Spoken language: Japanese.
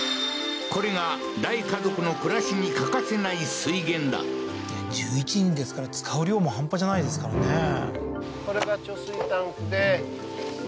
これが大家族の暮らしに欠かせない水源だ１１人ですから使う量も半端じゃないですからね